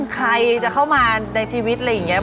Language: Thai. ใครจะเข้ามาในชีวิตอะไรอย่างนี้